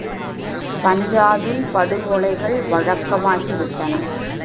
பஞ்சாபில் படுகொலைகள் வழக்கமாகி விட்டன.